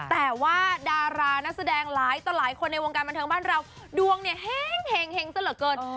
แต่ว่าดารานักแสดงหลายต่อหลายคนในวงการบันเทิงบ้านเราดวงเนี่ยเห็งซะเหลือเกิน